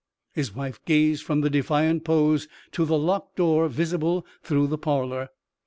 His wife gazed from the defiant pose to the locked door visible through the parlour.